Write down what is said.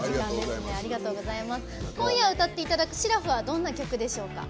今夜、歌っていただく「シラフ」はどんな曲でしょうか？